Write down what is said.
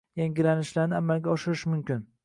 Yangilanishlarni amalga oshirish mumkin